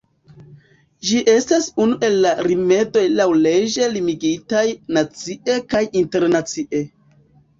Ĝi estas unu el la rimedoj laŭleĝe limigitaj nacie kaj internacie.